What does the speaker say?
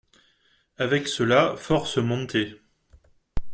Avec cela force montées.